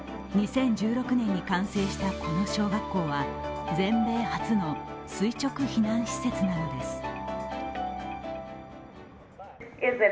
２０１６年に完成した、この小学校は全米初の垂直避難施設なのです。